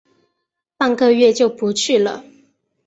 半个月就不去了